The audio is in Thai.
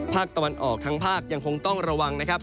ภาคตะวันออกทั้งภาคยังคงต้องระวังนะครับ